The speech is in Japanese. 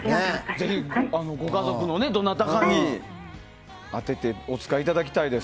ぜひご家族のどなたかに宛ててお使いいただきたいです。